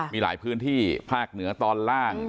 มีหลายพื้นที่ภาคเหนือตอนล่าง